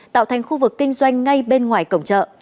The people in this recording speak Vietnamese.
tạo thành khu vực kinh doanh ngay bên ngoài cổng chợ